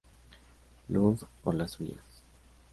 Lund por las suyas.